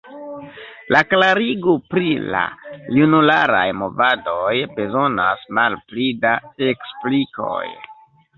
La klarigo pri la junularaj movadoj bezonas malpli da eksplikoj.